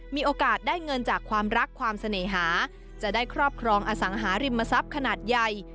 มีโอกาสได้เงินจากความรักความเสน่หาจะได้ครอบครองอสังหาริมทรัพย์ขนาดใหญ่